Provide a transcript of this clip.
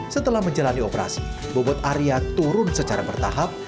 setelah menjalani operasi bobot area turun secara bertahap